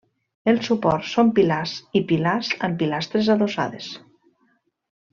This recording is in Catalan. Els suports són pilars i pilars amb pilastres adossades.